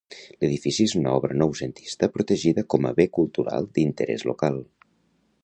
L'edifici és una obra noucentista protegida com a Bé Cultural d'Interès Local.